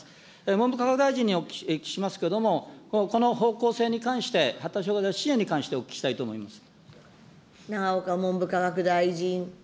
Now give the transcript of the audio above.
文部科学大臣にお聞きしますけれども、この方向性に関して、発達障害児支援に関して、お聞きしたいと思います。